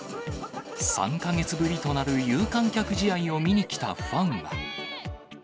３か月ぶりとなる有観客試合を見にきたファンは。